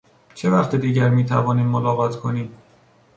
چه وقت دیگر میتوانیم ملاقات کنیم؟